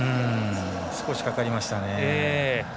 少し、かかりましたね。